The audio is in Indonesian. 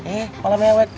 eh malah mewek